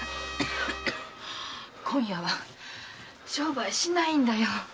今夜は商売しないんだよ。